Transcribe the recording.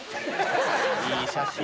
いい写真。